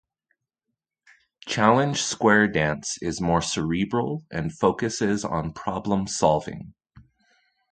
Challenge square dance is more cerebral, and focuses on problem solving.